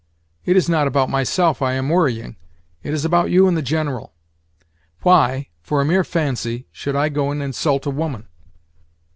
It is not about myself I am worrying—it is about you and the General. Why, for a mere fancy, should I go and insult a woman?"